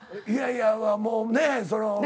いやいやもうねその。